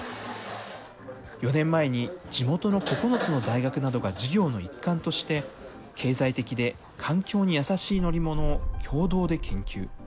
４年前に地元の９つの大学などが授業の一環として、経済的で環境に優しい乗り物を共同で研究。